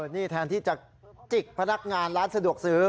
นี่แทนที่จะจิกพนักงานร้านสะดวกซื้อ